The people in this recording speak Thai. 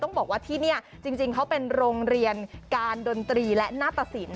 บอกว่าที่นี่จริงเขาเป็นโรงเรียนการดนตรีและหน้าตสิน